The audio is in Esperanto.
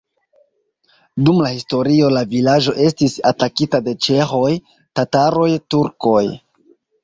Dum la historio la vilaĝo estis atakita de ĉeĥoj, tataroj, turkoj.